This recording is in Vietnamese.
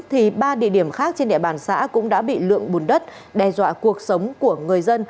thì ba địa điểm khác trên địa bàn xã cũng đã bị lượng bùn đất đe dọa cuộc sống của người dân